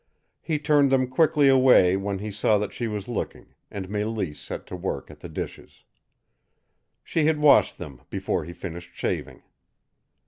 He turned them quickly away when he saw that she was looking, and Mélisse set to work at the dishes. She had washed them before he finished shaving.